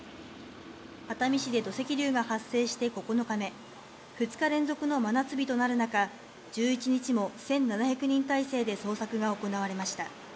熱海市で土石流が発生して９日目、２日連続の真夏日となる中、１１日も１７００人態勢で捜索が行われました。